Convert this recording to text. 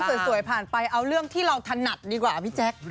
สวยผ่านไปเอาเรื่องที่เราถนัดดีกว่าพี่แจ๊ค